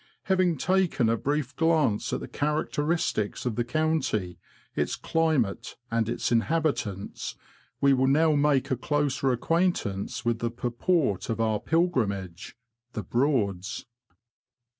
Having taken a brief glance at the characteristics of the county, its climate, and its inhabitants, we will now make a closer acquaintance with the purport of our pilgrimage — the Broads.